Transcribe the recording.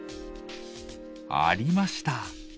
ありました。